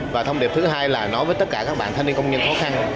và thông điệp thứ hai là đối với tất cả các bạn thanh niên công nhân khó khăn